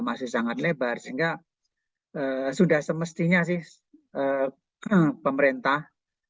masih sangat lebar sehingga sudah semestinya sih pemerintah